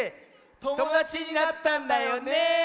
ともだちになったんだよねえ。